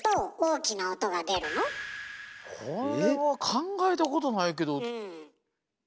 これは考えたことないけど。